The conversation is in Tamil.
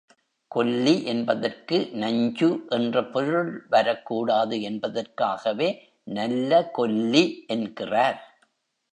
கொல்லி என்பதற்கு நஞ்சு என்ற பொருள் வரக்கூடாது என்பதற்காகவே, நல்ல கொல்லி என்கிறார்.